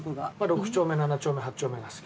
６丁目７丁目８丁目が好き。